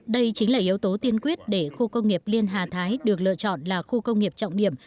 đây chính là yếu tố tiên quyết để khu công nghiệp liên hà thái được lựa chọn là khu công nghiệp trọng điểm